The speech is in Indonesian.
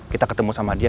kita ketemu sama dia